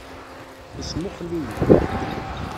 Ismuxell-iyi.